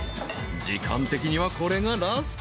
［時間的にはこれがラスト］